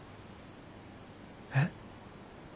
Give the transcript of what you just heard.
えっ？